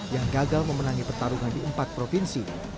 yang gagal memenangi pertarungan di empat provinsi